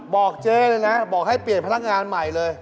บอกเจ๊เลยนะบอกให้เปลี่ยนพนักงานใหม่เลย